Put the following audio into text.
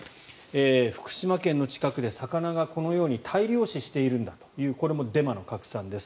福島県の近くで魚が、このように大量死しているんだというこれもデマの拡散です。